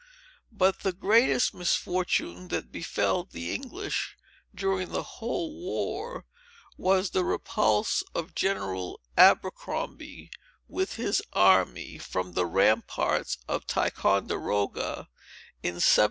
But the greatest misfortune that befell the English, during the whole war, was the repulse of General Abercrombie, with his army, from the ramparts of Ticonderoga, in 1758.